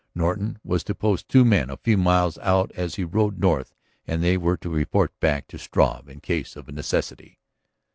Norton was to post two men a few miles out as he rode north and they were to report back to Struve in case of necessity.